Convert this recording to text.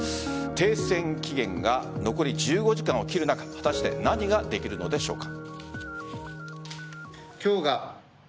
停戦期限が残り１５時間を切る中果たして何ができるのでしょうか。